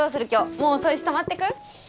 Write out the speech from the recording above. もう遅いし泊まっていく？